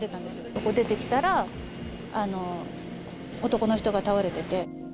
ここ出てきたら、男の人が倒れてて。